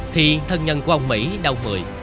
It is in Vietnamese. thì thân nhân của ông mỹ đau một mươi